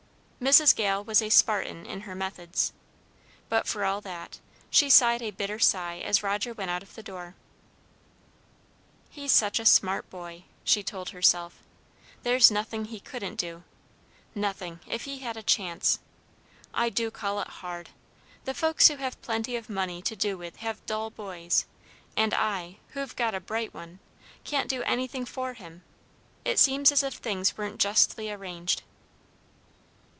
Mrs. Gale was a Spartan in her methods, but, for all that, she sighed a bitter sigh as Roger went out of the door. "He's such a smart boy," she told herself, "there's nothing he couldn't do, nothing, if he had a chance. I do call it hard. The folks who have plenty of money to do with have dull boys; and I, who've got a bright one, can't do anything for him! It seems as if things weren't justly arranged."